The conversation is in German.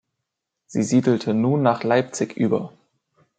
Sie siedelte nun nach Leipzig über.